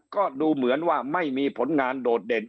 ก็ดูเหมือนว่าไม่มีผลงานโดดเด่น